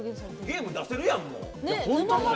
ゲーム出せるやん。